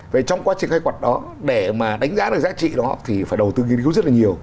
về trong quá trình khai quật đó để mà đánh giá được giá trị đó thì phải đầu tư nghiên cứu rất là nhiều